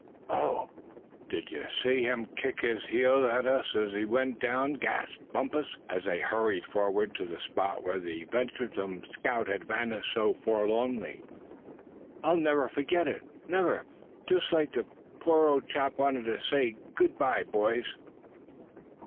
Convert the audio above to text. "OH! did you see him kick his heels at us as he went down?" gasped Bumpus, as they hurried forward to the spot where the venturesome scout had vanished so forlornly; "I'll never forget it, never! Just like the poor old chap wanted to say 'good bye boys!'"